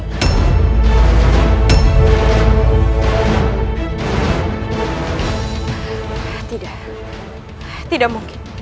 tidak tidak mungkin